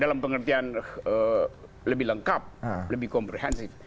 dalam pengertian lebih lengkap lebih komprehensif